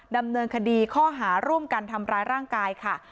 ดำเนินคดีข้อหาร่วมกันทำร้ายร่างกายค่ะ